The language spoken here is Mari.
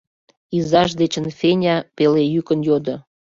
— изаж дечын Феня пелейӱкын йодо.